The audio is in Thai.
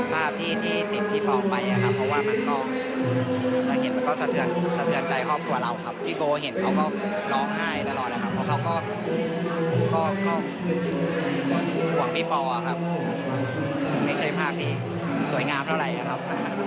ไม่ใช่ภาพดีสวยงามเท่าไหร่ครับ